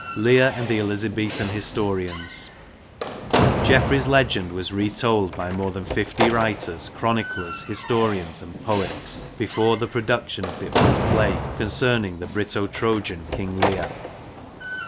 Lear and the Elizabethan historians. Geoffrey's legend was retold by more than fifty writers, chroniclers, historians and poets before the production of the old play concerning the Brito Trojan King Leir.